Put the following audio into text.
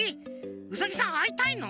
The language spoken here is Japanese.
ウサギさんあいたいの？